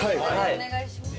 お願いします。